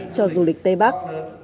cho du lịch tây bắc